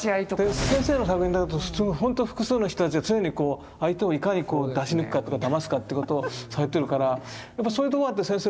先生の作品になるとほんと複数の人たちが常にこう相手をいかに出し抜くかとかだますかってことをされてるからそういうところがあって先生